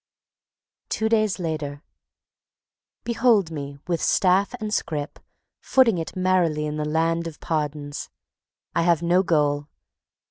Two days later. Behold me with staff and scrip, footing it merrily in the Land of Pardons. I have no goal.